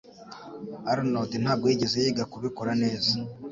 Arnaud ntabwo yigeze yiga kubikora neza.